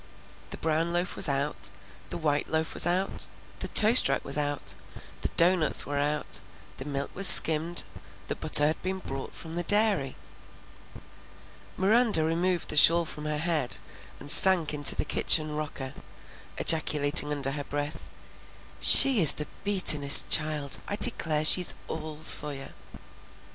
The brown loaf was out, the white loaf was out, the toast rack was out, the doughnuts were out, the milk was skimmed, the butter had been brought from the dairy. Miranda removed the shawl from her head and sank into the kitchen rocker, ejaculating under her breath, "She is the beatin'est child! I declare she's all Sawyer!"